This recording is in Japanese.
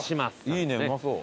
いいねうまそう。